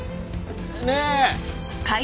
ねえ！